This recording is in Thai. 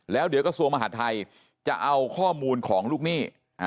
แล้วเดือดเกษัตริย์ภัศทธรรมมหาภัยจะเอาข้อมูลของลูกหนี้